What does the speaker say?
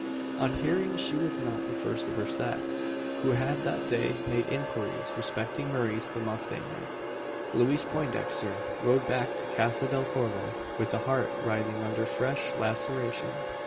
On hearing she was not the first of her sex who had that day made inquiries respecting Maurice the mustanger, Louise Poindexter rode back to Casa del Corvo, with a heart writhing under fresh laceration.